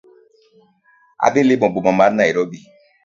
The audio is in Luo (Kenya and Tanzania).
Adhi limo boma mar Nairobi